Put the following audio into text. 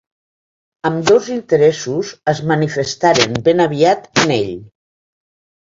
Ambdós interessos es manifestaren ben aviat en ell.